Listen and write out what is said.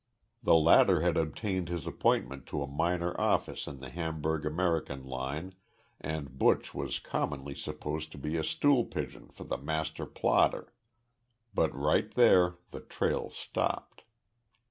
The latter had obtained his appointment to a minor office in the Hamburg American line and Buch was commonly supposed to be a stool pigeon for the master plotter. But right there the trail stopped.